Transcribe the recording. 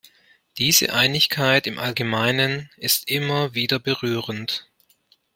Diese Einigkeit im Allgemeinen ist immer wieder berührend.